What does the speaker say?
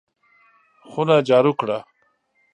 خونه جارو کړه!